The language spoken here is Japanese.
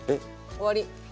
終わり？